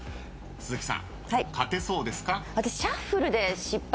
鈴木さん勝てそうですか？